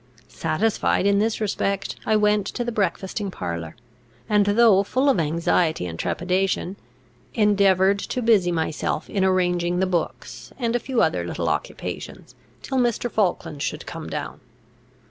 Satisfied in this respect, I went to the breakfasting parlour, and, though full of anxiety and trepidation, endeavoured to busy myself in arranging the books, and a few other little occupations, till Mr. Falkland should come down.